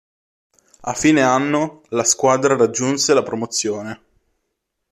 A fine anno, la squadra raggiunse la promozione.